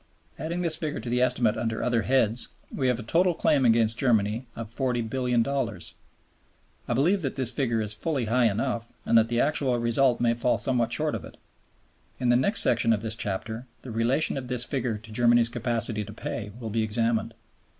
Adding this figure to the estimate under other heads, we have a total claim against Germany of $40,000,000,000. I believe that this figure is fully high enough, and that the actual result may fall somewhat short of it. In the next section of this chapter the relation of this figure to Germany's capacity to pay will be examined.